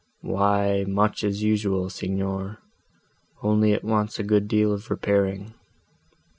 "Why much as usual, Signor, only it wants a good deal of repairing.